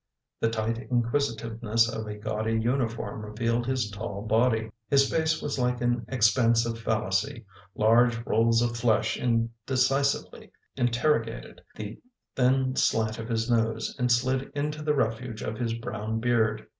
The tight inquisitiveness of a gaudy uniform revealed his tall body. His face was like an expansive fallacy — large rolls of flesh indecisively interrogated the thin slant of his nose and slid into the refuge of his brown beard.